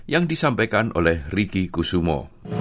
yang disampaikan oleh riki kusumo